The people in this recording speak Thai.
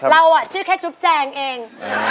เราเชื่อแค่จุ๊บแจงเอง